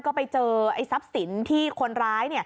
ก็ไปเจอไอ้ทรัพย์สินที่คนร้าย